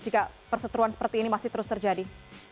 jika perseteruan seperti ini masih terus terjadi